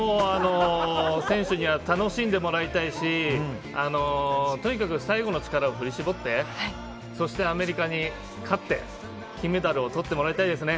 選手には楽しんでもらいたいし、とにかく最後の力を振り絞って、アメリカに勝って、金メダルを取ってもらいたいですね。